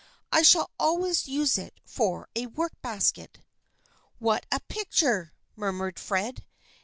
I shall always use it for a work basket." " What a picture !" murmured Fred.